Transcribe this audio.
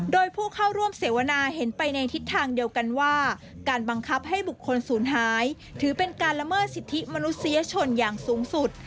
โดยผู้เข้าร่วมเสวนาเห็นไปในทิศทางเดียวกันว่าการบังคับให้บุคคลศูนย์หายถือเป็นการละเมิดสิทธิมนุษยชนอย่างสูงสุด